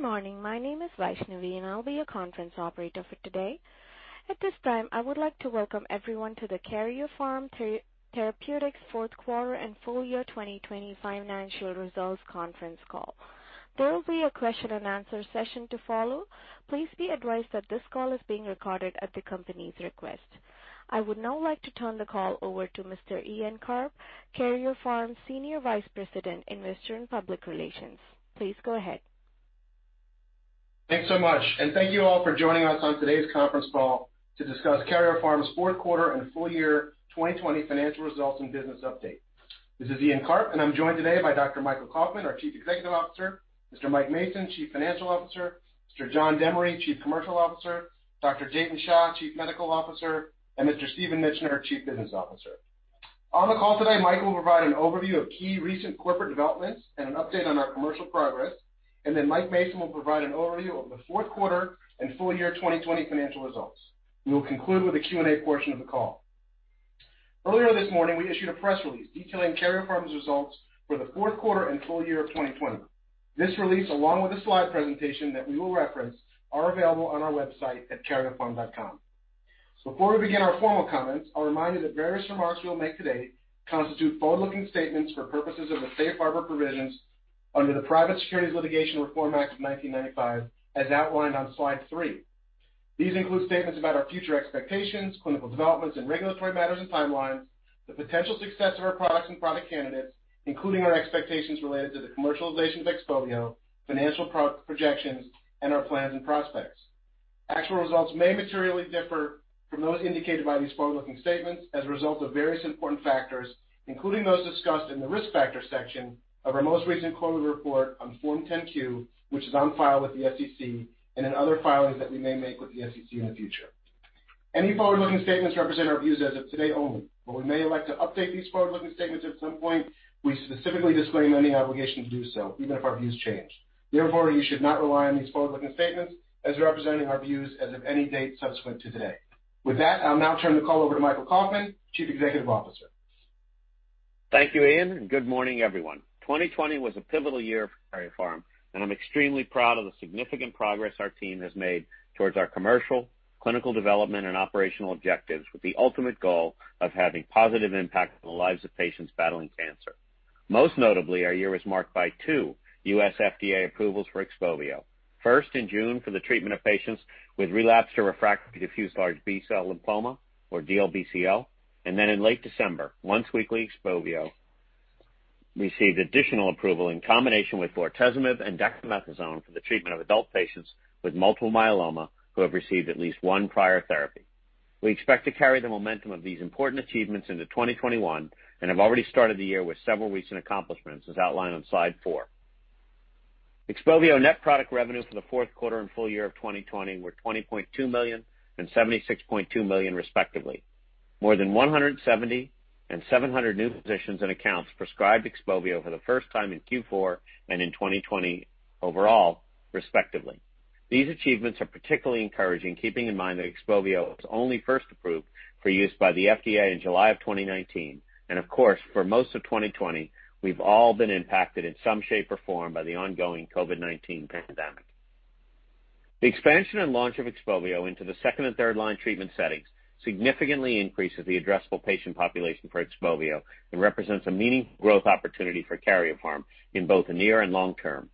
Good morning. My name is Vaishnavi, and I'll be your Conference Operator for today. At this time, I would like to welcome everyone to the Karyopharm Therapeutics fourth quarter and full year 2020 financial results conference call. There will be a question and answer session to follow. Please be advised that this call is being recorded at the company's request. I would now like to turn the call over to Mr. Ian Karp, Karyopharm Senior Vice President, Investor and Public Relations. Please go ahead. Thanks so much, and thank you all for joining us on today's conference call to discuss Karyopharm's fourth quarter and full year 2020 financial results and business update. This is Ian Karp, and I'm joined today by Dr. Michael Kauffman, our Chief Executive Officer, Mr. Mike Mason, Chief Financial Officer, Mr. John Demaree, Chief Commercial Officer, Dr. Jatin Shah, Chief Medical Officer, and Mr. Stephen Mitchener, Chief Business Officer. On the call today, Michael will provide an overview of key recent corporate developments and an update on our commercial progress, and then Mike Mason will provide an overview of the fourth quarter and full year 2020 financial results. We will conclude with the Q&A portion of the call. Earlier this morning, we issued a press release detailing Karyopharm's results for the fourth quarter and full year of 2020. This release, along with the slide presentation that we will reference, are available on our website at karyopharm.com. Before we begin our formal comments, I'll remind you that various remarks we will make today constitute forward-looking statements for purposes of the Safe Harbor provisions under the Private Securities Litigation Reform Act of 1995, as outlined on slide three. These include statements about our future expectations, clinical developments and regulatory matters and timelines, the potential success of our products and product candidates, including our expectations related to the commercialization of XPOVIO, financial projections, and our plans and prospects. Actual results may materially differ from those indicated by these forward-looking statements as a result of various important factors, including those discussed in the Risk Factor section of our most recent quarterly report on Form 10-Q, which is on file with the SEC, and in other filings that we may make with the SEC in the future. Any forward-looking statements represent our views as of today only. While we may elect to update these forward-looking statements at some point, we specifically disclaim any obligation to do so, even if our views change. Therefore, you should not rely on these forward-looking statements as representing our views as of any date subsequent to today. With that, I'll now turn the call over to Michael Kauffman, Chief Executive Officer. Thank you, Ian, and good morning, everyone. 2020 was a pivotal year for Karyopharm, and I'm extremely proud of the significant progress our team has made towards our commercial, clinical development, and operational objectives with the ultimate goal of having a positive impact on the lives of patients battling cancer. Most notably, our year was marked by two U.S. FDA approvals for XPOVIO, first in June for the treatment of patients with relapsed or refractory diffuse large B-cell lymphoma, or DLBCL, and then in late December, once-weekly XPOVIO received additional approval in combination with bortezomib and dexamethasone for the treatment of adult patients with multiple myeloma who have received at least one prior therapy. We expect to carry the momentum of these important achievements into 2021 and have already started the year with several recent accomplishments, as outlined on slide four. XPOVIO net product revenue for the fourth quarter and full year of 2020 were $20.2 million and $76.2 million, respectively. More than 170 and 700 new physicians and accounts prescribed XPOVIO for the first time in Q4 and in 2020 overall, respectively. These achievements are particularly encouraging, keeping in mind that XPOVIO was only first approved for use by the FDA in July of 2019. For most of 2020, we've all been impacted in some shape or form by the ongoing COVID-19 pandemic. The expansion and launch of XPOVIO into the second-line and third-line treatment settings significantly increases the addressable patient population for XPOVIO and represents a meaningful growth opportunity for Karyopharm in both the near and long term.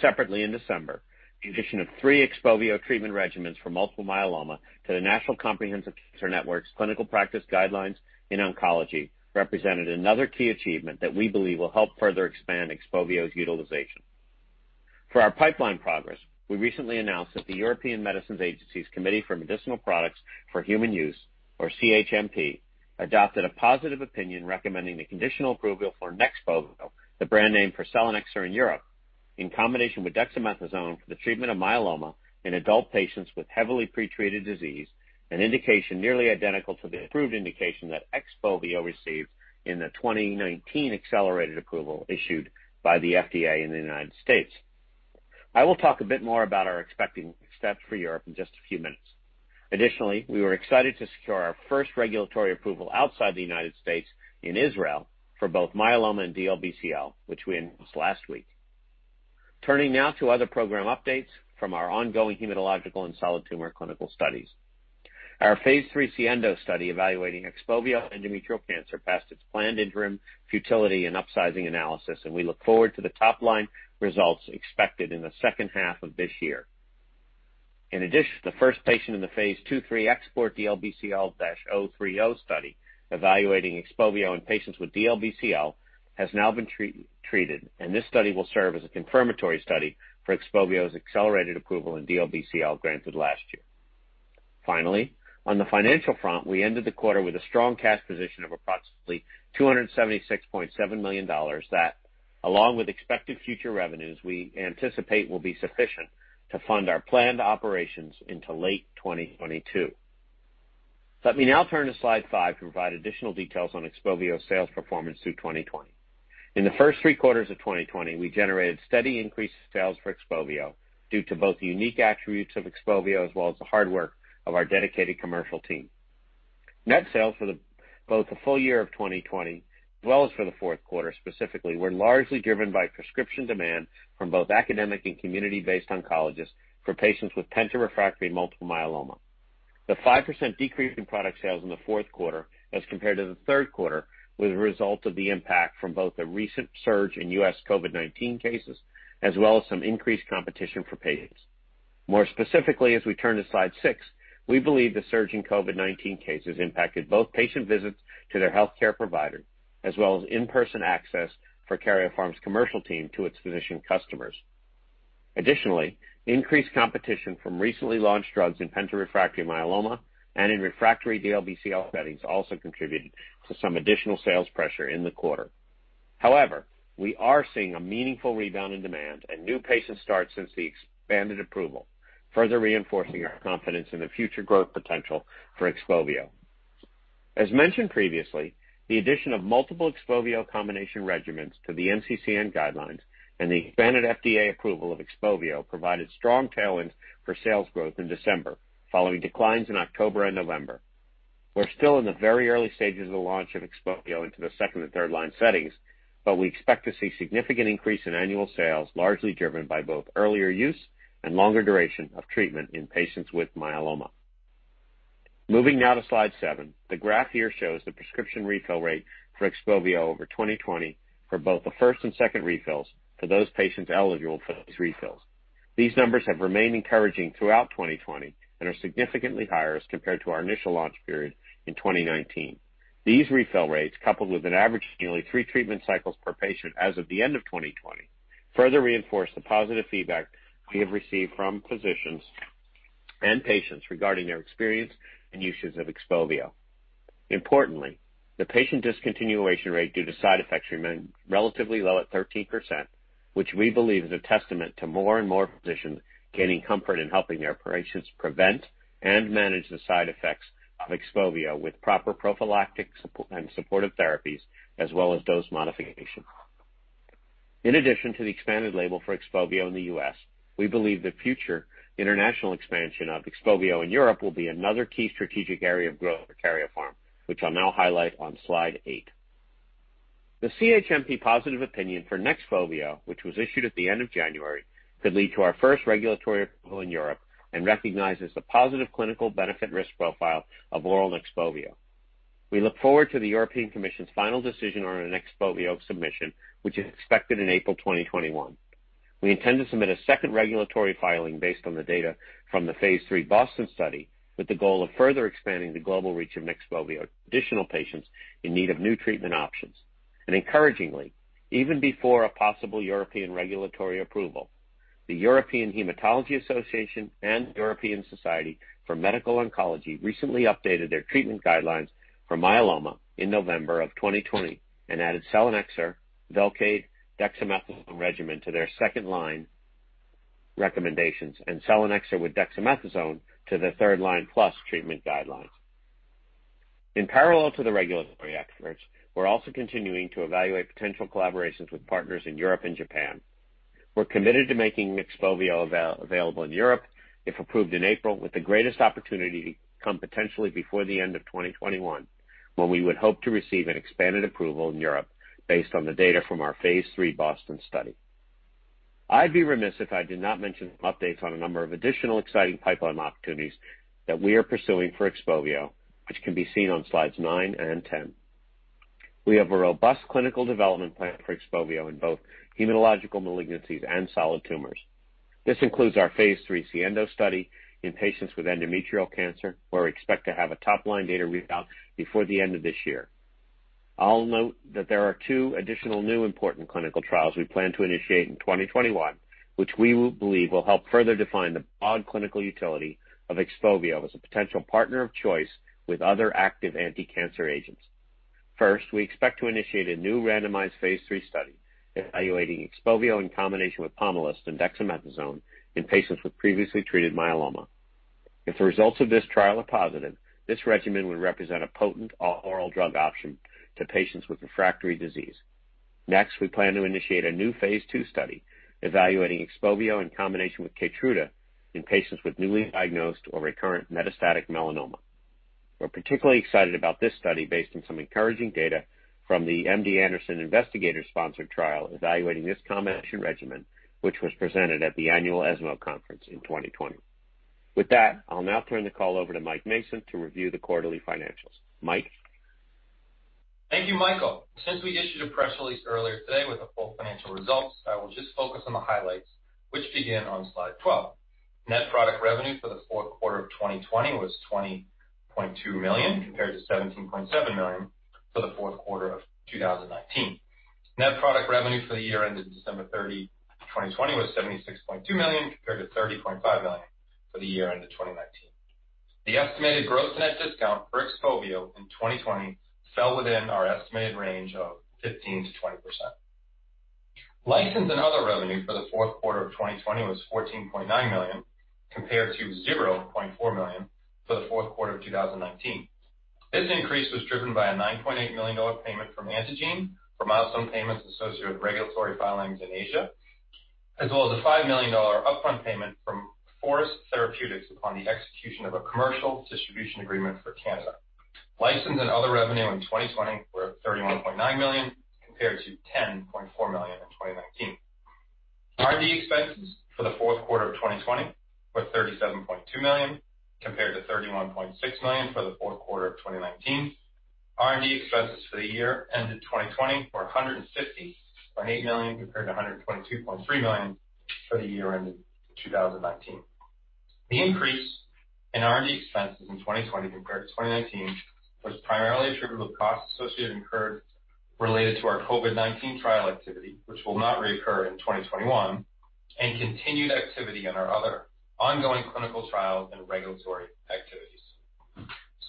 Separately, in December, the addition of three XPOVIO treatment regimens for multiple myeloma to the National Comprehensive Cancer Network's clinical practice guidelines in oncology represented another key achievement that we believe will help further expand XPOVIO's utilization. For our pipeline progress, we recently announced that the European Medicines Agency's Committee for Medicinal Products for Human Use, or CHMP, adopted a positive opinion recommending the conditional approval for NEXPOVIO, the brand name for selinexor in Europe, in combination with dexamethasone for the treatment of myeloma in adult patients with heavily pretreated disease, an indication nearly identical to the approved indication that XPOVIO received in the 2019 accelerated approval issued by the FDA in the U.S. I will talk a bit more about our expected steps for Europe in just a few minutes. We were excited to secure our first regulatory approval outside the U.S. in Israel for both myeloma and DLBCL, which we announced last week. Turning now to other program updates from our ongoing hematological and solid tumor clinical studies. Our phase III SIENDO study evaluating XPOVIO endometrial cancer passed its planned interim futility and upsizing analysis, and we look forward to the top-line results expected in the second half of this year. The first patient in the Phase II/III XPORT-DLBCL-030 study evaluating XPOVIO in patients with DLBCL has now been treated, and this study will serve as a confirmatory study for XPOVIO's accelerated approval in DLBCL granted last year. Finally, on the financial front, we ended the quarter with a strong cash position of approximately $276.7 million that, along with expected future revenues, we anticipate will be sufficient to fund our planned operations into late 2022. Let me now turn to slide five to provide additional details on XPOVIO's sales performance through 2020. In the first three quarters of 2020, we generated steady increases in sales for XPOVIO due to both the unique attributes of XPOVIO as well as the hard work of our dedicated commercial team. Net sales for both the full year of 2020, as well as for the fourth quarter specifically, were largely driven by prescription demand from both academic and community-based oncologists for patients with penta-refractory multiple myeloma. The 5% decrease in product sales in the fourth quarter as compared to the third quarter was a result of the impact from both the recent surge in U.S. COVID-19 cases, as well as some increased competition for patients. More specifically, as we turn to slide six, we believe the surge in COVID-19 cases impacted both patient visits to their healthcare provider, as well as in-person access for Karyopharm's commercial team to its physician customers. Additionally, increased competition from recently launched drugs in penta-refractory myeloma and in refractory DLBCL settings also contributed to some additional sales pressure in the quarter. However, we are seeing a meaningful rebound in demand and new patient starts since the expanded approval, further reinforcing our confidence in the future growth potential for XPOVIO. As mentioned previously, the addition of multiple XPOVIO combination regimens to the NCCN guidelines and the expanded FDA approval of XPOVIO provided strong tailwinds for sales growth in December, following declines in October and November. We're still in the very early stages of the launch of XPOVIO into the second and third-line settings, but we expect to see significant increase in annual sales, largely driven by both earlier use and longer duration of treatment in patients with myeloma. Moving now to slide seven. The graph here shows the prescription refill rate for XPOVIO over 2020 for both the first and second refills for those patients eligible for those refills. These numbers have remained encouraging throughout 2020 and are significantly higher as compared to our initial launch period in 2019. These refill rates, coupled with an average of nearly three treatment cycles per patient as of the end of 2020, further reinforce the positive feedback we have received from physicians and patients regarding their experience and usage of XPOVIO. Importantly, the patient discontinuation rate due to side effects remained relatively low at 13%, which we believe is a testament to more and more physicians gaining comfort in helping their patients prevent and manage the side effects of XPOVIO with proper prophylactic and supportive therapies, as well as dose modification. In addition to the expanded label for XPOVIO in the U.S., we believe the future international expansion of XPOVIO in Europe will be another key strategic area of growth for Karyopharm, which I'll now highlight on slide eight. The CHMP positive opinion for neXPOVIO, which was issued at the end of January, could lead to our first regulatory approval in Europe and recognizes the positive clinical benefit risk profile of oral neXPOVIO. We look forward to the European Commission's final decision on our neXPOVIO submission, which is expected in April 2021. We intend to submit a second regulatory filing based on the data from the phase III BOSTON study with the goal of further expanding the global reach of neXPOVIO to additional patients in need of new treatment options. Encouragingly, even before a possible European regulatory approval, the European Hematology Association and European Society for Medical Oncology recently updated their treatment guidelines for myeloma in November of 2020 and added selinexor, VELCADE, dexamethasone regimen to their second-line recommendations and selinexor with dexamethasone to the third-line plus treatment guidelines. In parallel to the regulatory efforts, we're also continuing to evaluate potential collaborations with partners in Europe and Japan. We're committed to making neXPOVIO available in Europe if approved in April, with the greatest opportunity to come potentially before the end of 2021, when we would hope to receive an expanded approval in Europe based on the data from our phase III BOSTON study. I'd be remiss if I did not mention updates on a number of additional exciting pipeline opportunities that we are pursuing for XPOVIO, which can be seen on slides nine and 10. We have a robust clinical development plan for XPOVIO in both hematological malignancies and solid tumors. This includes our phase III SIENDO study in patients with endometrial cancer, where we expect to have a top-line data readout before the end of this year. I'll note that there are two additional new important clinical trials we plan to initiate in 2021, which we believe will help further define the broad clinical utility of XPOVIO as a potential partner of choice with other active anticancer agents. First, we expect to initiate a new randomized phase III study evaluating XPOVIO in combination with Pomalyst and dexamethasone in patients with previously treated myeloma. If the results of this trial are positive, this regimen would represent a potent all-oral drug option to patients with refractory disease. Next, we plan to initiate a new phase II study evaluating XPOVIO in combination with KEYTRUDA in patients with newly diagnosed or recurrent metastatic melanoma. We're particularly excited about this study based on some encouraging data from the MD Anderson investigator-sponsored trial evaluating this combination regimen, which was presented at the annual ESMO conference in 2020. With that, I'll now turn the call over to Mike Mason to review the quarterly financials. Mike? Thank you, Michael. Since we issued a press release earlier today with the full financial results, I will just focus on the highlights, which begin on slide 12. Net product revenue for the fourth quarter of 2020 was $20.2 million compared to $17.7 million for the fourth quarter of 2019. Net product revenue for the year ended December 30, 2020, was $76.2 million compared to $30.5 million for the year ended 2019. The estimated gross net discount for XPOVIO in 2020 fell within our estimated range of 15%-20%. License and other revenue for the fourth quarter of 2020 was $14.9 million, compared to $0.4 million for the fourth quarter of 2019. This increase was driven by a $9.8 million payment from Antengene for milestone payments associated with regulatory filings in Asia. As well as a $5 million upfront payment from FORUS Therapeutics upon the execution of a commercial distribution agreement for Canada. License and other revenue in 2020 were $31.9 million compared to $10.4 million in 2019. R&D expenses for the fourth quarter of 2020 were $37.2 million, compared to $31.6 million for the fourth quarter of 2019. R&D expenses for the year ended 2020 were $150.8 million compared to $122.3 million for the year ended 2019. The increase in R&D expenses in 2020 compared to 2019 was primarily attributable to costs incurred related to our COVID-19 trial activity, which will not reoccur in 2021, and continued activity in our other ongoing clinical trials and regulatory activities.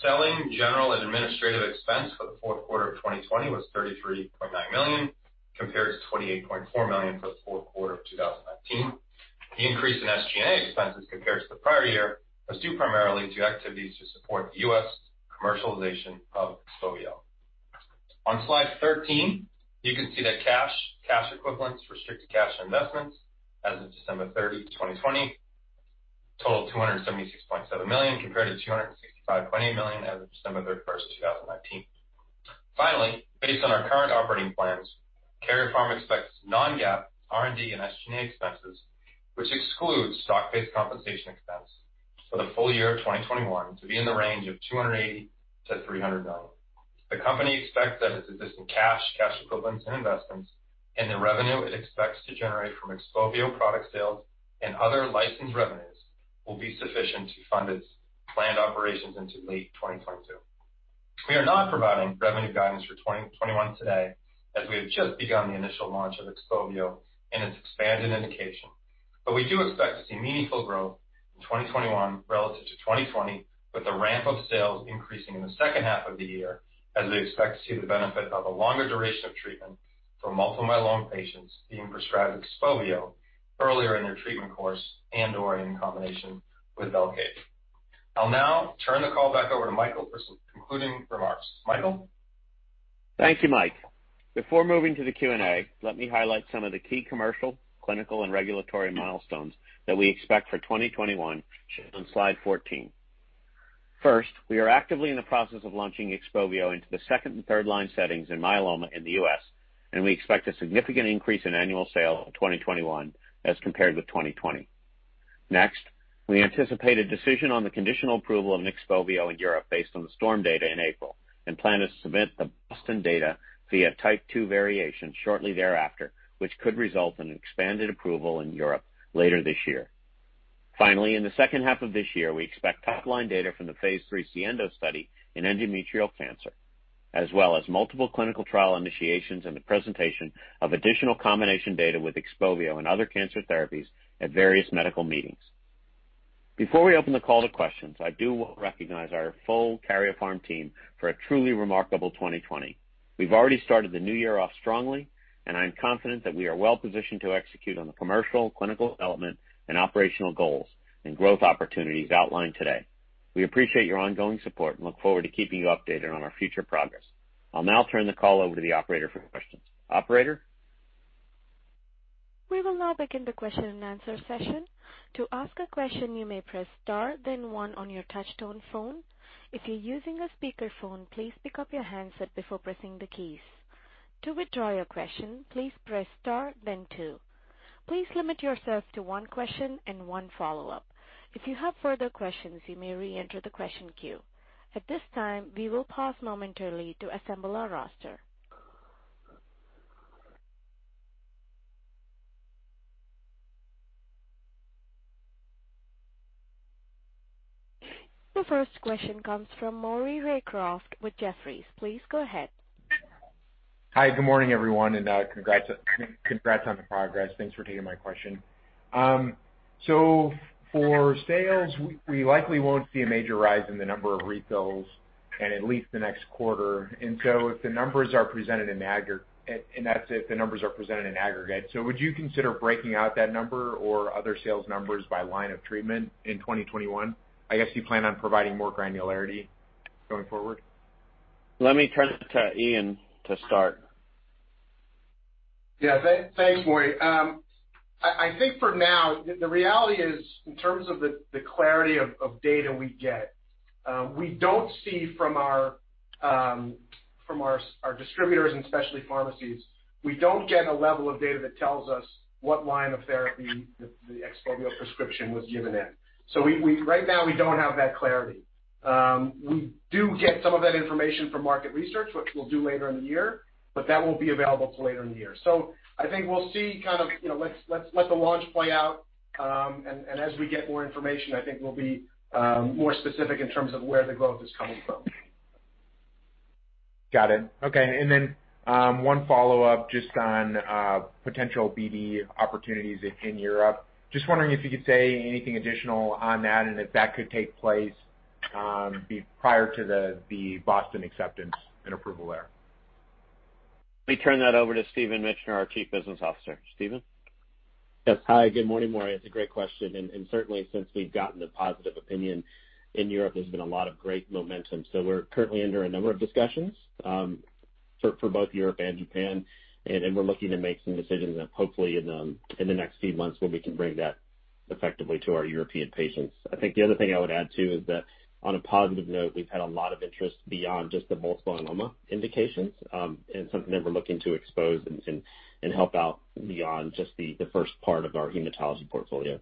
Selling, general, and administrative expense for the fourth quarter of 2020 was $33.9 million, compared to $28.4 million for the fourth quarter of 2019. The increase in SG&A expenses compared to the prior year was due primarily to activities to support the U.S. commercialization of XPOVIO. On slide 13, you can see that cash equivalents, restricted cash and investments as of December 30, 2020 totaled $276.7 million, compared to $265.8 million as of December 31, 2019. Finally, based on our current operating plans, Karyopharm expects non-GAAP R&D and SG&A expenses, which excludes stock-based compensation expense for the full year of 2021 to be in the range of $280 million-$300 million. The company expects that its existing cash equivalents, and investments and the revenue it expects to generate from XPOVIO product sales and other licensed revenues will be sufficient to fund its planned operations into late 2022. We are not providing revenue guidance for 2021 today, as we have just begun the initial launch of XPOVIO and its expanded indication. We do expect to see meaningful growth in 2021 relative to 2020, with the ramp of sales increasing in the second half of the year, as we expect to see the benefit of a longer duration of treatment for multiple myeloma patients being prescribed XPOVIO earlier in their treatment course and/or in combination with VELCADE. I'll now turn the call back over to Michael for some concluding remarks. Michael? Thank you, Mike. Before moving to the Q&A, let me highlight some of the key commercial, clinical, and regulatory milestones that we expect for 2021, shown on slide 14. First, we are actively in the process of launching XPOVIO into the second and third line settings in myeloma in the U.S., and we expect a significant increase in annual sales in 2021 as compared with 2020. Next, we anticipate a decision on the conditional approval of XPOVIO in Europe based on the STORM data in April, and plan to submit the BOSTON data via Type II variation shortly thereafter, which could result in an expanded approval in Europe later this year. Finally, in the second half of this year, we expect top-line data from the phase III SIENDO study in endometrial cancer, as well as multiple clinical trial initiations and the presentation of additional combination data with XPOVIO and other cancer therapies at various medical meetings. Before we open the call to questions, I do want to recognize our full Karyopharm team for a truly remarkable 2020. We've already started the new year off strongly, and I'm confident that we are well-positioned to execute on the commercial, clinical development, and operational goals and growth opportunities outlined today. We appreciate your ongoing support and look forward to keeping you updated on our future progress. I'll now turn the call over to the operator for questions. Operator? The first question comes from Maury Raycroft with Jefferies. Please go ahead. Hi, good morning, everyone, and congrats on the progress. Thanks for taking my question. For sales, we likely won't see a major rise in the number of refills in at least the next quarter. That's if the numbers are presented in aggregate. Would you consider breaking out that number or other sales numbers by line of treatment in 2021? I guess you plan on providing more granularity going forward? Let me turn it to Ian to start. Thanks, Maury. I think for now, the reality is, in terms of the clarity of data we get, from our distributors and specialty pharmacies, we don't get a level of data that tells us what line of therapy the XPOVIO prescription was given in. Right now, we don't have that clarity. We do get some of that information from market research, which we'll do later in the year, but that won't be available till later in the year. I think we'll see. Let the launch play out, and as we get more information, I think we'll be more specific in terms of where the growth is coming from. Got it. Okay, one follow-up just on potential BD opportunities in Europe. Just wondering if you could say anything additional on that and if that could take place prior to the BOSTON acceptance and approval there. Let me turn that over to Stephen Mitchener, our Chief Business Officer. Stephen? Yes. Hi, good morning, Maury. It's a great question, and certainly since we've gotten the positive opinion in Europe, there's been a lot of great momentum. We're currently under a number of discussions. For both Europe and Japan, and we're looking to make some decisions hopefully in the next few months where we can bring that effectively to our European patients. I think the other thing I would add, too, is that on a positive note, we've had a lot of interest beyond just the multiple myeloma indications, and something that we're looking to expose and help out beyond just the first part of our hematology portfolio.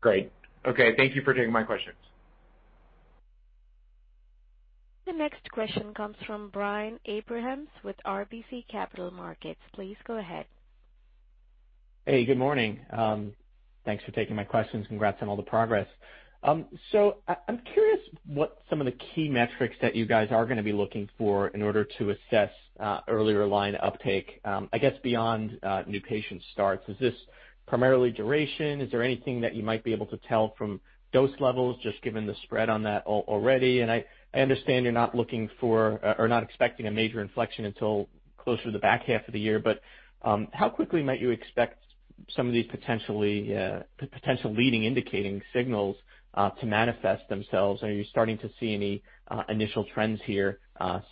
Great. Okay, thank you for taking my questions. The next question comes from Brian Abrahams with RBC Capital Markets. Please go ahead. Hey, good morning. Thanks for taking my questions. Congrats on all the progress. I'm curious what some of the key metrics that you guys are going to be looking for in order to assess earlier line uptake, I guess beyond new patient starts. Is this primarily duration? Is there anything that you might be able to tell from dose levels, just given the spread on that already? I understand you're not looking for, or not expecting a major inflection until closer to the back half of the year, but how quickly might you expect some of these potential leading indicating signals to manifest themselves? Are you starting to see any initial trends here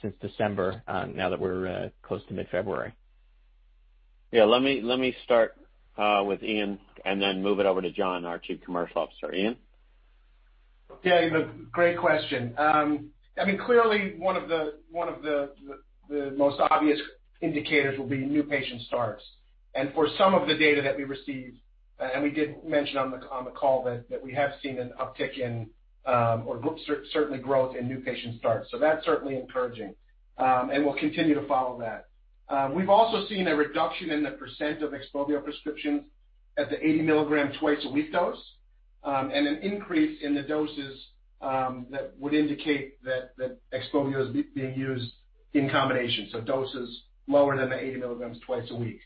since December, now that we're close to mid-February? Yeah, let me start with Ian and then move it over to John, our Chief Commercial Officer. Ian? Yeah, great question. Clearly, one of the most obvious indicators will be new patient starts. For some of the data that we received, we did mention on the call that we have seen an uptick in, or certainly growth in new patient starts. That's certainly encouraging. We'll continue to follow that. We've also seen a reduction in the percent of XPOVIO prescriptions at the 80 milligram twice a week dose, an increase in the doses that would indicate that XPOVIO is being used in combination, so doses lower than the 80 milligrams twice a week.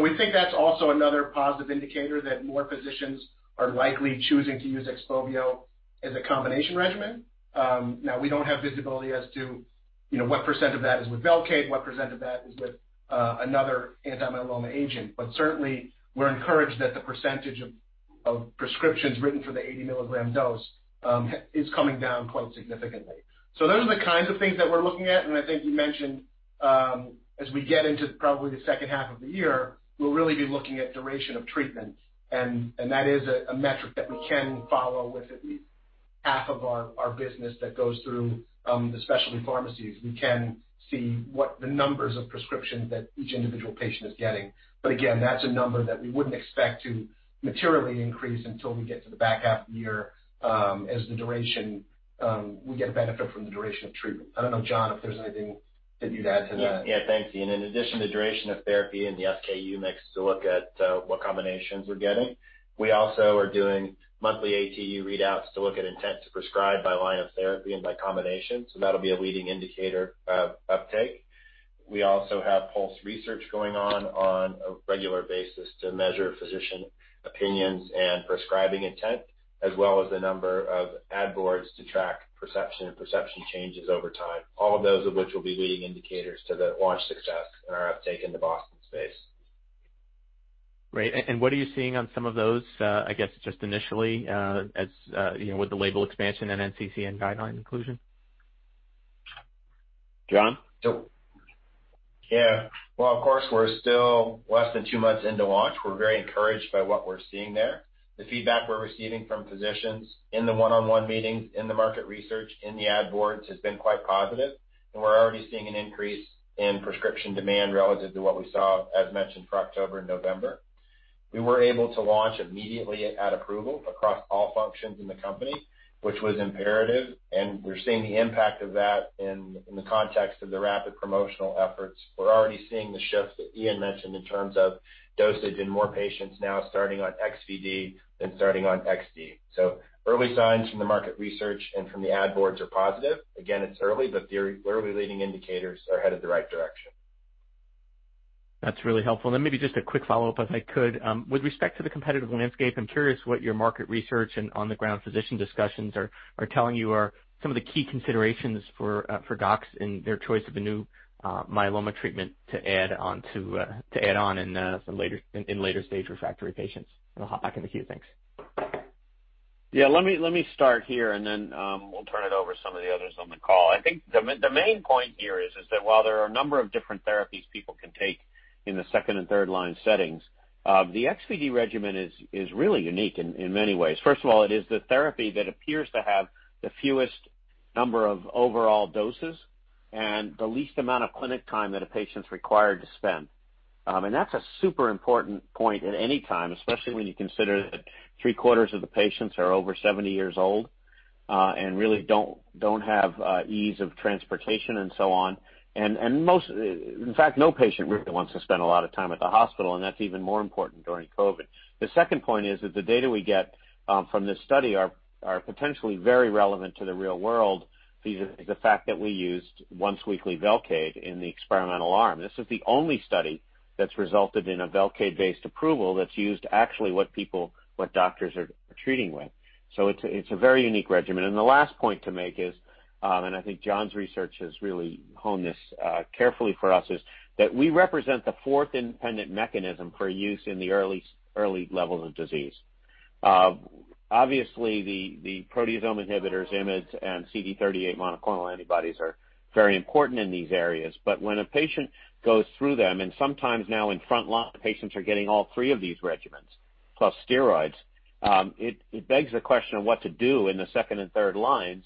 We think that's also another positive indicator that more physicians are likely choosing to use XPOVIO as a combination regimen. Now, we don't have visibility as to what percent of that is with VELCADE, what percent of that is with another anti-myeloma agent. Certainly, we're encouraged that the percentage of prescriptions written for the 80 milligram dose is coming down quite significantly. Those are the kinds of things that we're looking at, and I think you mentioned as we get into probably the second half of the year, we'll really be looking at duration of treatment, and that is a metric that we can follow with at least half of our business that goes through the specialty pharmacies. We can see what the numbers of prescriptions that each individual patient is getting. Again, that's a number that we wouldn't expect to materially increase until we get to the back half of the year, as we get a benefit from the duration of treatment. I don't know, John, if there's anything that you'd add to that. Yeah. Thanks, Ian. In addition to duration of therapy and the SKU mix to look at what combinations we're getting, we also are doing monthly ATU readouts to look at intent to prescribe by line of therapy and by combination. That'll be a leading indicator of uptake. We also have pulse research going on a regular basis to measure physician opinions and prescribing intent, as well as the number of ad boards to track perception and perception changes over time. All of those of which will be leading indicators to the launch success and our uptake in the BOSTON space. Great. What are you seeing on some of those, I guess, just initially, with the label expansion and NCCN guideline inclusion? John? Yep. Yeah. Well, of course, we're still less than two months into launch. We're very encouraged by what we're seeing there. The feedback we're receiving from physicians in the one-on-one meetings, in the market research, in the ad boards, has been quite positive. We're already seeing an increase in prescription demand relative to what we saw, as mentioned, for October and November. We were able to launch immediately at approval across all functions in the company, which was imperative. We're seeing the impact of that in the context of the rapid promotional efforts. We're already seeing the shifts that Ian mentioned in terms of dosage and more patients now starting on XVd than starting on XD. Early signs from the market research and from the ad boards are positive. Again, it's early. The early leading indicators are headed the right direction. That's really helpful. Then maybe just a quick follow-up, if I could. With respect to the competitive landscape, I'm curious what your market research and on-the-ground physician discussions are telling you are some of the key considerations for docs in their choice of a new myeloma treatment to add on in later stage refractory patients. I'll hop back in the queue. Thanks. Let me start here, and then we'll turn it over to some of the others on the call. I think the main point here is that while there are a number of different therapies people can take in the second and third-line settings, the XVD regimen is really unique in many ways. First of all, it is the therapy that appears to have the fewest number of overall doses and the least amount of clinic time that a patient's required to spend. That's a super important point at any time, especially when you consider that three-quarters of the patients are over 70 years old, and really don't have ease of transportation and so on. In fact, no patient really wants to spend a lot of time at the hospital, and that's even more important during COVID. The second point is that the data we get from this study are potentially very relevant to the real world due to the fact that we used once-weekly VELCADE in the experimental arm. This is the only study that's resulted in a VELCADE-based approval that's used actually what doctors are treating with. It's a very unique regimen. The last point to make is, and I think John's research has really honed this carefully for us, is that we represent the fourth independent mechanism for use in the early levels of disease. Obviously, the proteasome inhibitors, IMiDs, and CD38 monoclonal antibodies are very important in these areas. When a patient goes through them, and sometimes now in front line, patients are getting all three of these regimens plus steroids, it begs the question of what to do in the second and third lines.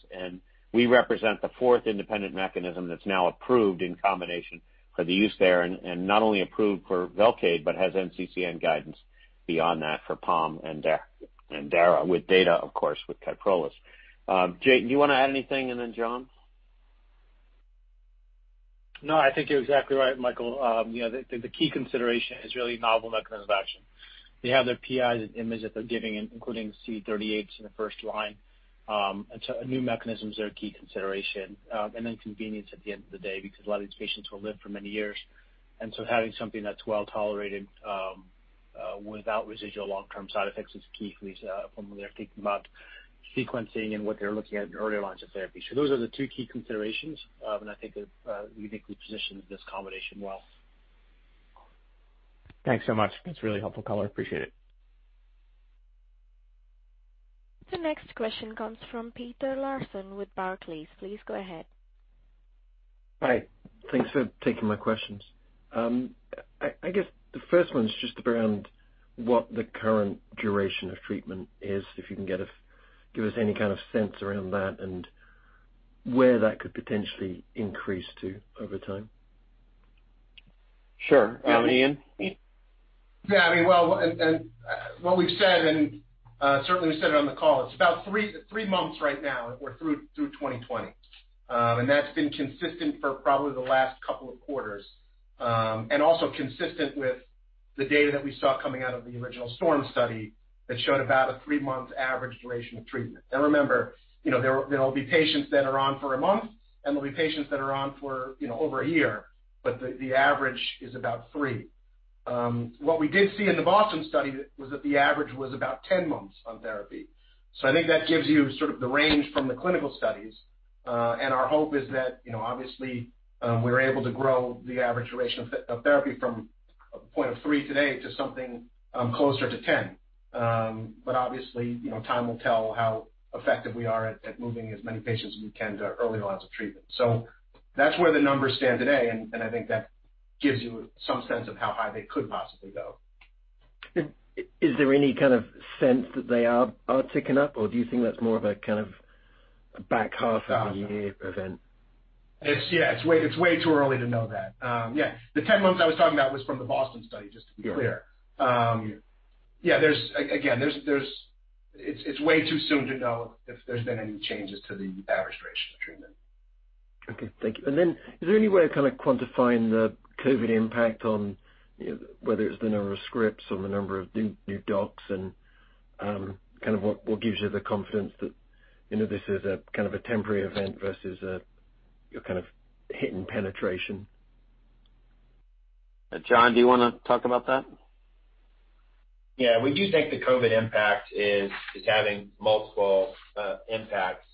We represent the fourth independent mechanism that's now approved in combination for the use there, and not only approved for VELCADE, but has NCCN guidance beyond that for Pomalyst and Darzalex with data, of course, with KYPROLIS. Jatin, do you want to add anything, and then John? No, I think you're exactly right, Michael. The key consideration is really novel mechanism of action. They have their PIs and IMiDs that they're giving, including CD38s in the first line. New mechanisms are a key consideration. Convenience at the end of the day, because a lot of these patients will live for many years. Having something that's well-tolerated, without residual long-term side effects is key for these, when they're thinking about sequencing and what they're looking at in earlier lines of therapy. Those are the two key considerations. I think they uniquely position this combination well. Thanks so much. That's a really helpful color. Appreciate it. The next question comes from Peter Lawson with Barclays. Please go ahead. Hi. Thanks for taking my questions. I guess the first one's just around what the current duration of treatment is, if you can give us any kind of sense around that and where that could potentially increase to over time. Sure. Ian? Yeah. What we've said, and certainly we said it on the call, it's about three months right now through 2020. That's been consistent for probably the last couple of quarters. Also consistent with the data that we saw coming out of the original STORM study that showed about a three-month average duration of treatment. Now remember, there'll be patients that are on for a month, and there'll be patients that are on for over a year, but the average is about three. What we did see in the BOSTON study was that the average was about 10 months on therapy. I think that gives you sort of the range from the clinical studies. Our hope is that, obviously, we're able to grow the average duration of therapy from a point of three today to something closer to 10. Obviously, time will tell how effective we are at moving as many patients as we can to our early lines of treatment. That's where the numbers stand today, and I think that gives you some sense of how high they could possibly go. Is there any kind of sense that they are ticking up, or do you think that's more of a kind of back half of the year event? Yeah. It's way too early to know that. Yeah. The 10 months I was talking about was from the BOSTON study, just to be clear. Yeah. Again, it's way too soon to know if there's been any changes to the average duration of treatment. Okay. Thank you. Is there any way of kind of quantifying the COVID impact on whether it's the number of scripts or the number of new docs and kind of what gives you the confidence that this is a kind of a temporary event versus a kind of hidden penetration? John, do you want to talk about that? Yeah. We do think the COVID impact is having multiple impacts.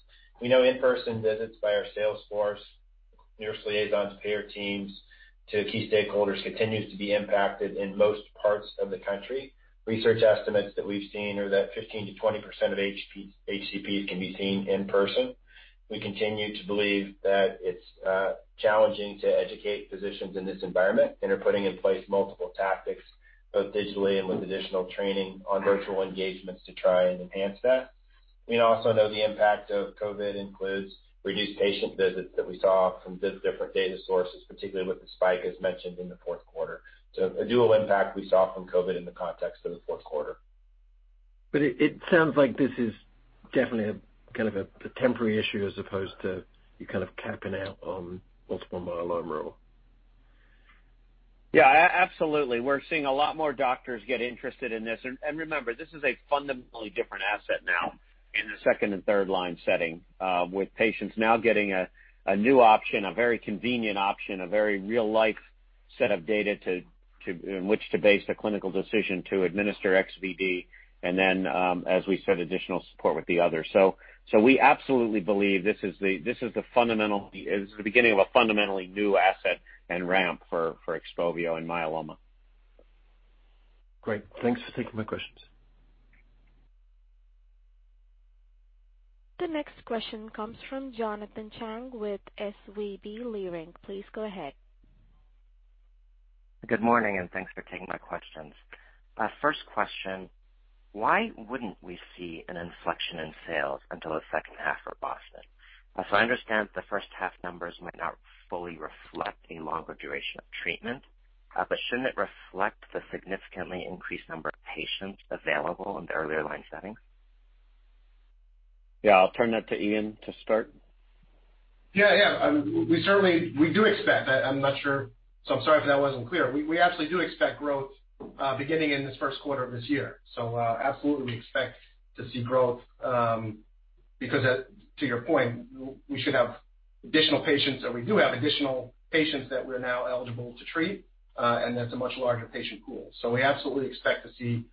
We know in-person visits by our sales force, nurse liaisons, payer teams to key stakeholders continues to be impacted in most parts of the country. Research estimates that we've seen are that 15%-20% of HCPs can be seen in person. We continue to believe that it's challenging to educate physicians in this environment and are putting in place multiple tactics, both digitally and with additional training on virtual engagements to try and enhance that. We also know the impact of COVID includes reduced patient visits that we saw from different data sources, particularly with the spike, as mentioned in the fourth quarter. A dual impact we saw from COVID in the context of the fourth quarter. It sounds like this is definitely kind of a temporary issue as opposed to you kind of capping out on multiple myeloma. Yeah, absolutely. We're seeing a lot more doctors get interested in this. Remember, this is a fundamentally different asset now in the second and third line setting, with patients now getting a new option, a very convenient option, a very real-life set of data in which to base a clinical decision to administer XVD, then, as we said, additional support with the other. We absolutely believe this is the beginning of a fundamentally new asset and ramp for XPOVIO in myeloma. Great. Thanks for taking my questions. The next question comes from Jonathan Chang with SVB Leerink. Please go ahead. Good morning, thanks for taking my questions. First question, why wouldn't we see an inflection in sales until the second half for BOSTON? As I understand, the first half numbers might not fully reflect a longer duration of treatment. Shouldn't it reflect the significantly increased number of patients available in the earlier line settings? I'll turn that to Ian to start. Yeah. We do expect that. I'm sorry if that wasn't clear. We absolutely do expect growth, beginning in this first quarter of this year. Absolutely, we expect to see growth, because to your point, we should have additional patients, and we do have additional patients that we're now eligible to treat, and that's a much larger patient pool. We absolutely expect to see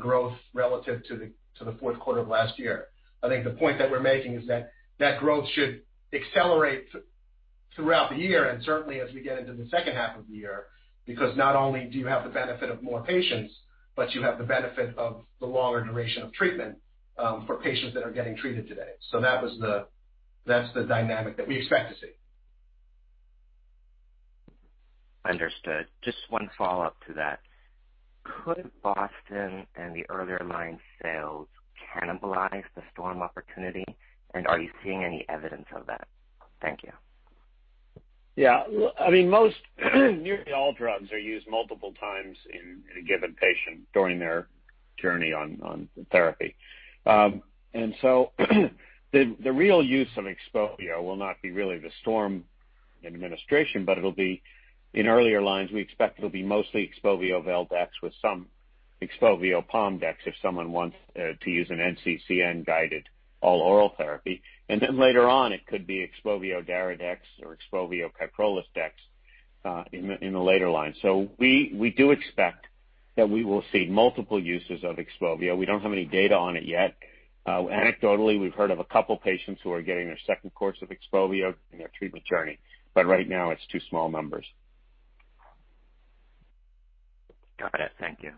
growth relative to the fourth quarter of last year. I think the point that we're making is that growth should accelerate throughout the year, and certainly as we get into the second half of the year, because not only do you have the benefit of more patients, but you have the benefit of the longer duration of treatment for patients that are getting treated today. That's the dynamic that we expect to see. Understood. Just one follow-up to that. Could BOSTON and the earlier line sales cannibalize the STORM opportunity, and are you seeing any evidence of that? Thank you. Yeah. Nearly all drugs are used multiple times in a given patient during their journey on therapy. The real use of XPOVIO will not be really the STORM administration, but in earlier lines, we expect it'll be mostly XPOVIO-VELCADE-dex with some XPOVIO-pomalidomide-dexamethasone if someone wants to use an NCCN guided all-oral therapy. Later on it could be XPOVIO-daratumumab-dexamethasone or XPOVIO-KYPROLIS dex in the later lines. We do expect that we will see multiple uses of XPOVIO. We don't have any data on it yet. Anecdotally, we've heard of a couple patients who are getting their second course of XPOVIO in their treatment journey, but right now it's too small numbers. Got it. Thank you.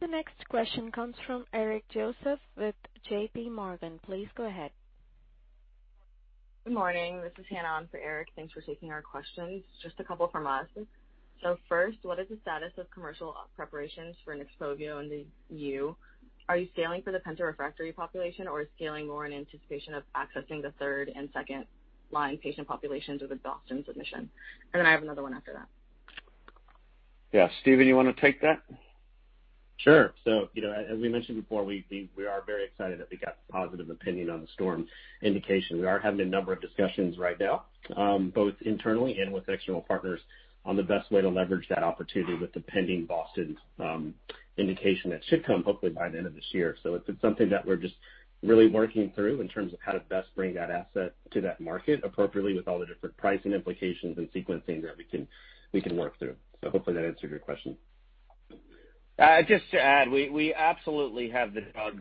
The next question comes from Eric Joseph with JPMorgan. Please go ahead. Good morning. This is Hannah on for Eric. Thanks for taking our questions. Just a couple from us. First, what is the status of commercial preparations for XPOVIO in the EU? Are you scaling for the penta-refractory population or scaling more in anticipation of accessing the third and second line patient populations with the BOSTON submission? I have another one after that. Yeah. Stephen, you want to take that? Sure. As we mentioned before, we are very excited that we got the positive opinion on the STORM indication. We are having a number of discussions right now, both internally and with external partners on the best way to leverage that opportunity with the pending BOSTON indication that should come hopefully by the end of this year. It's something that we're just really working through in terms of how to best bring that asset to that market appropriately with all the different pricing implications and sequencing that we can work through. Hopefully that answered your question. Just to add, we absolutely have the drug.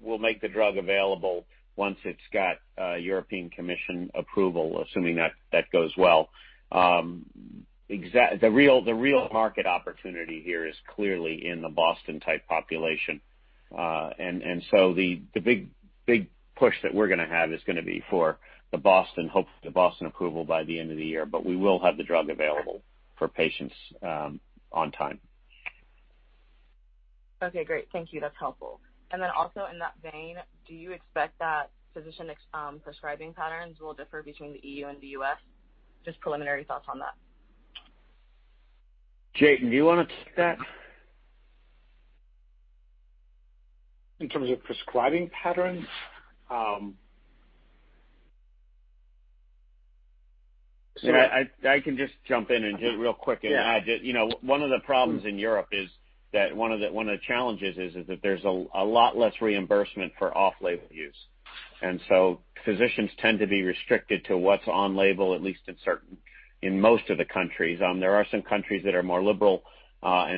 We'll make the drug available once it's got European Commission approval, assuming that goes well. The real market opportunity here is clearly in the BOSTON type population. The big push that we're going to have is going to be for the BOSTON approval by the end of the year. We will have the drug available for patients on time. Okay, great. Thank you. That's helpful. Then also in that vein, do you expect that physician prescribing patterns will differ between the EU and the U.S.? Just preliminary thoughts on that. Jatin, do you want to take that? In terms of prescribing patterns? I can just jump in and do it real quick and add that one of the problems in Europe is that one of the challenges is that there's a lot less reimbursement for off-label use. Physicians tend to be restricted to what's on label, at least in most of the countries. There are some countries that are more liberal,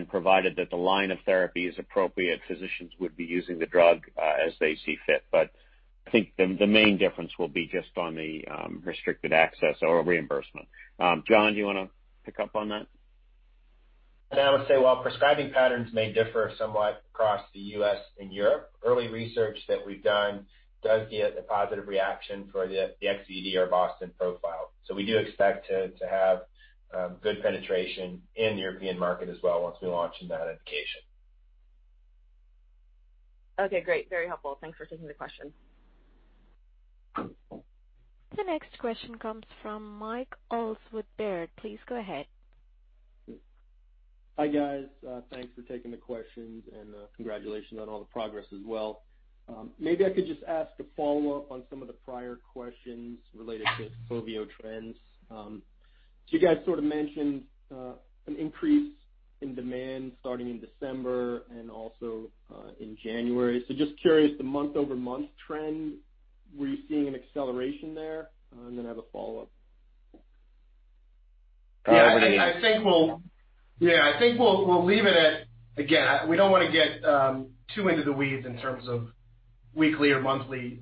provided that the line of therapy is appropriate, physicians would be using the drug as they see fit. I think the main difference will be just on the restricted access or reimbursement. John, do you want to pick up on that? I would say while prescribing patterns may differ somewhat across the U.S. and Europe, early research that we've done does get a positive reaction for the XVD or BOSTON profile. We do expect to have good penetration in the European market as well once we launch in that indication. Okay, great. Very helpful. Thanks for taking the question. The next question comes from Mike Ulz with Baird. Please go ahead. Hi, guys. Thanks for taking the questions, and congratulations on all the progress as well. Maybe I could just ask a follow-up on some of the prior questions related to XPOVIO trends. You guys sort of mentioned an increase in demand starting in December and also in January. Just curious, the month-over-month trend, were you seeing an acceleration there? I have a follow-up. Yeah. I think we'll leave it at, again, we don't want to get too into the weeds in terms of weekly or monthly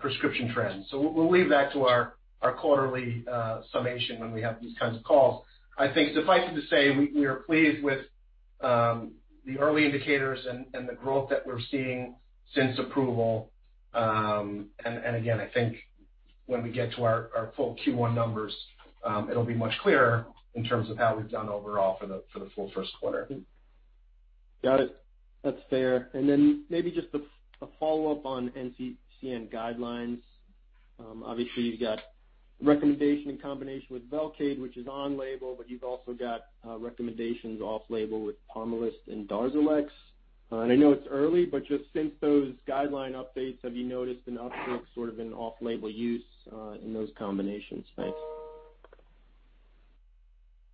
prescription trends. We'll leave that to our quarterly summation when we have these kinds of calls. I think suffice it to say, we are pleased with the early indicators and the growth that we're seeing since approval. Again, I think when we get to our full Q1 numbers, it'll be much clearer in terms of how we've done overall for the full first quarter. Got it. That's fair. Then maybe just a follow-up on NCCN guidelines. Obviously you've got recommendation in combination with VELCADE, which is on label, but you've also got recommendations off label with Pomalyst and Darzalex. I know it's early, but just since those guideline updates, have you noticed an uptick sort of in off-label use in those combinations? Thanks.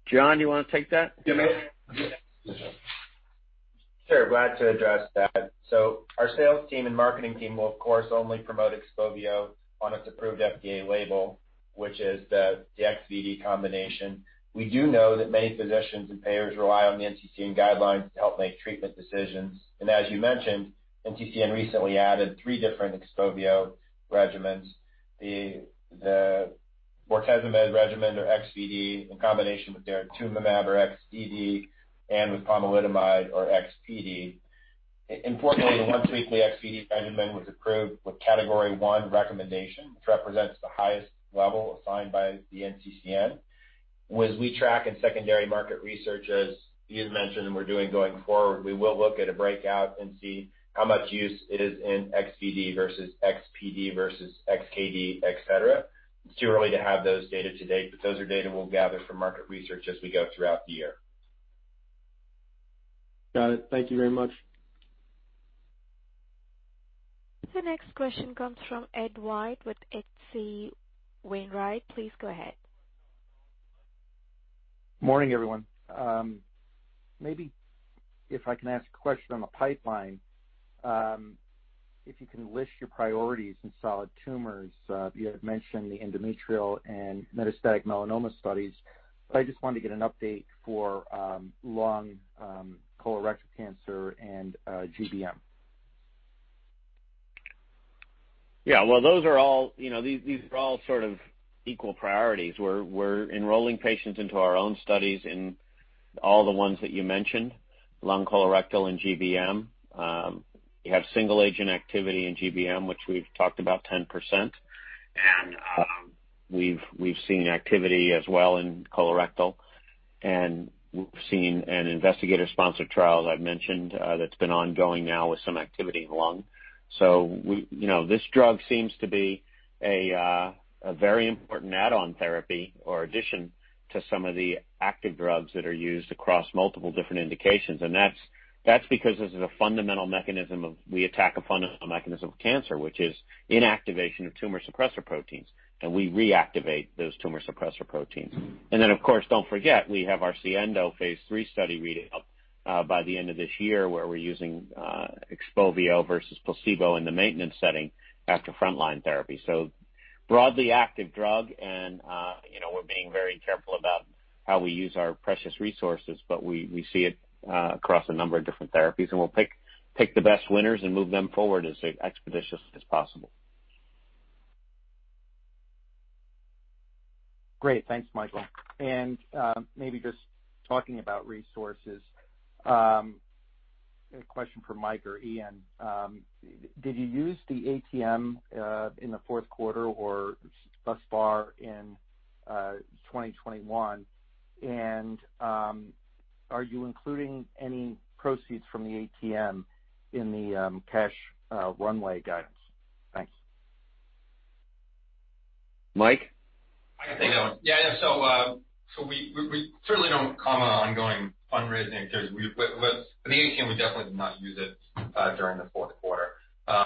John, you want to take that? Yeah. Sure. Glad to address that. Our sales team and marketing team will of course only promote XPOVIO on its approved FDA label, which is the XVD combination. We do know that many physicians and payers rely on the NCCN guidelines to help make treatment decisions. As you mentioned, NCCN recently added three different XPOVIO regimens, bortezomib regimen or XVD in combination with daratumumab or XVD and with pomalidomide or XPD. Importantly, the once-weekly XVD regimen was approved with category 1 recommendation, which represents the highest level assigned by the NCCN. As we track in secondary market research, as Ian mentioned we're doing going forward, we will look at a breakout and see how much use it is in XVD versus XPD versus XKD, et cetera. It's too early to have those data to date, but those are data we'll gather from market research as we go throughout the year. Got it. Thank you very much. The next question comes from Edward White with H.C. Wainwright. Please go ahead. Morning, everyone. Maybe if I can ask a question on the pipeline, if you can list your priorities in solid tumors. You had mentioned the endometrial and metastatic melanoma studies, but I just wanted to get an update for lung colorectal cancer and GBM. These are all sort of equal priorities. We're enrolling patients into our own studies in all the ones that you mentioned, lung colorectal and GBM. We have single agent activity in GBM, which we've talked about 10%, and we've seen activity as well in colorectal, and we've seen an investigator-sponsored trial I've mentioned that's been ongoing now with some activity in lung. This drug seems to be a very important add-on therapy or addition to some of the active drugs that are used across multiple different indications. That's because we attack a fundamental mechanism of cancer, which is inactivation of tumor suppressor proteins, and we reactivate those tumor suppressor proteins. Then, of course, don't forget, we have our SIENDO phase III study reading out by the end of this year, where we're using XPOVIO versus placebo in the maintenance setting after frontline therapy. Broadly active drug and we're being very careful about how we use our precious resources, but we see it across a number of different therapies, and we'll pick the best winners and move them forward as expeditiously as possible. Great. Thanks, Michael. Maybe just talking about resources, a question for Mike or Ian Karp. Did you use the ATM in the fourth quarter or thus far in 2021? Are you including any proceeds from the ATM in the cash runway guidance? Thanks. Mike? I can take that one. Yeah. We certainly don't comment on ongoing fundraising activities. The ATM, we definitely did not use it during the fourth quarter.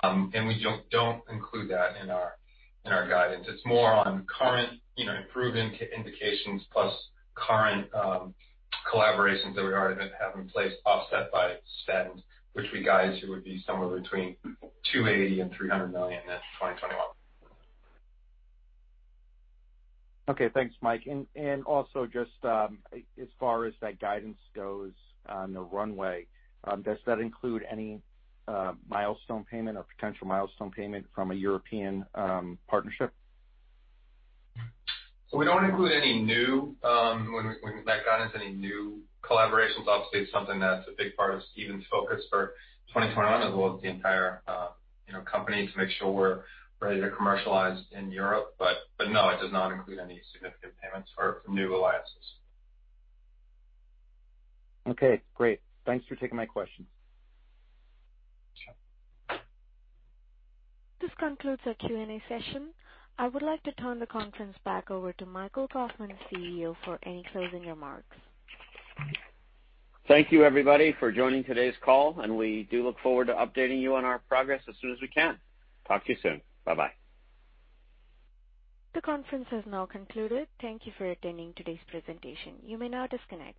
We don't include that in our guidance. It's more on current approved indications plus current collaborations that we already have in place offset by spend, which we guide to would be somewhere between $280 million-$300 million in 2021. Okay. Thanks, Mike. Also just as far as that guidance goes on the runway, does that include any milestone payment or potential milestone payment from a European partnership? We don't include, when we look back at guidance, any new collaborations. Obviously, it's something that's a big part of Stephen's focus for 2021 as well as the entire company to make sure we're ready to commercialize in Europe. No, it does not include any significant payments for new alliances. Okay, great. Thanks for taking my questions. Sure. This concludes our Q&A session. I would like to turn the conference back over to Michael Kauffman, CEO, for any closing remarks. Thank you, everybody, for joining today's call, and we do look forward to updating you on our progress as soon as we can. Talk to you soon. Bye-bye. The conference has now concluded. Thank you for attending today's presentation. You may now disconnect.